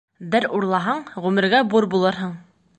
Бер урлаһаң, ғүмергә бур булырһың